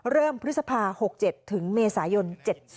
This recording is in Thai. เริ่มพฤษภา๖๗ถึงเมษายน๗๐